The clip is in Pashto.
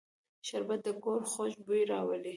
شربت د کور خوږ بوی راولي